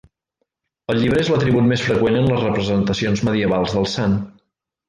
El llibre és l'atribut més freqüent en les representacions medievals del sant.